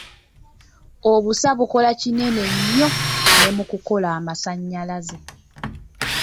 Obusa bukola kinene nnyo ne mu kukola amasannyalaze.